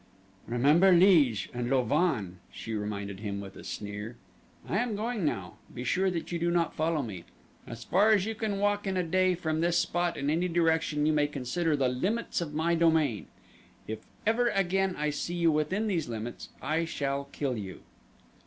"Remember Liege and Louvain," she reminded him with a sneer. "I am going now be sure that you do not follow me. As far as you can walk in a day from this spot in any direction you may consider the limits of my domain. If ever again I see you within these limits I shall kill you."